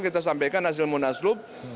kita sampaikan hasil munaslup